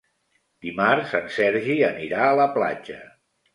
Dimarts en Sergi anirà a la platja.